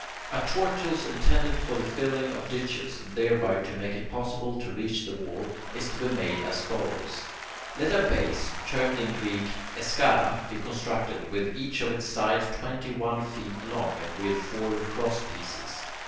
A tortoise intended for the filling of ditches, and thereby to make it possible to reach the wall, is to be made as follows. Let a base, termed in Greek [Greek: eschara], be constructed, with each of its sides twenty one feet long, and with four crosspieces.